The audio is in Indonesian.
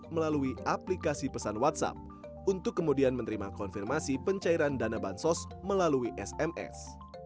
melalui aplikasi pesan whatsapp untuk kemudian menerima konfirmasi pencairan dana bansos melalui sms